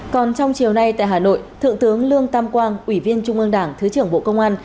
còn trong chiều nay tại hà nội thượng tướng lương tam quang ủy viên trung ương đảng thứ trưởng bộ công an